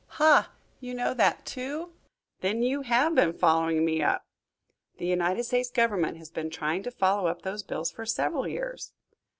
"Ha! You know that, too! Then you have been following me up?" "The United States Government has been trying to follow up those bills for several years."